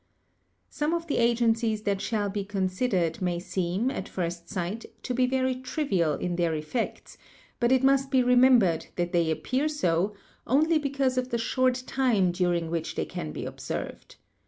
Some of the agencies that shall be considered may seem, at first sight, to be very trivial in their effects, but it must be remembered that they appear so only because of the short time during which they can be observed.